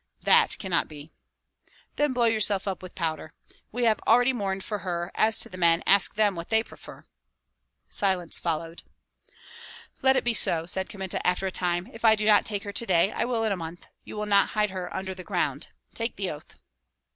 "That cannot be." "Then blow yourself up with powder! We have already mourned for her; as to the men, ask them what they prefer." Silence followed. "Let it be so," said Kmita, after a time. "If I do not take her to day, I will in a month. You will not hide her under the ground! Take the oath!"